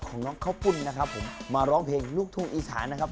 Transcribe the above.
น้องข้าวปุ้นนะครับผมมาร้องเพลงลูกทุ่งอีสานนะครับ